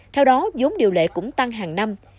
theo đó giống điều lệ cũng tăng hàng năm